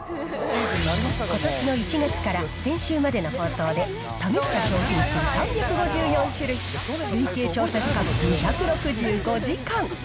ことしの１月から先週までの放送で、試した商品数３５４種類、累計調査時間２６５時間。